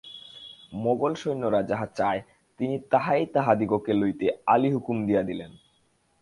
মোগল-সৈন্যরা যাহা চায় তিনি তাহাই তাহাদিগকে লইতে আলী হুকুম দিয়া দিলেন।